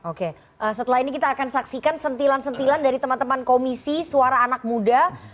oke setelah ini kita akan saksikan sentilan sentilan dari teman teman komisi suara anak muda